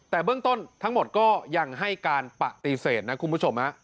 แต่เบื้องต้นทั้งหมดก็ยังให้การปฏิเสธนะคุณผู้ชม